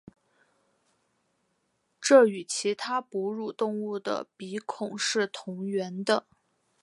这与其他哺乳动物的鼻孔是同源的。